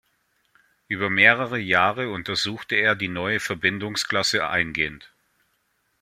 Über mehrere Jahre untersuchte er die neue Verbindungsklasse eingehend.